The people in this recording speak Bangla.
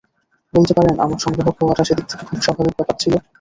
বলতে পারেন আমার সংগ্রাহক হওয়াটা সেদিক থেকে খুব স্বাভাবিক ব্যাপার ছিল।